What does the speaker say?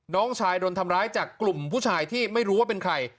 น้องชายโดนทำร้ายจากกลุ่มผู้ชายที่ไม่รู้ว่าเป็นใคร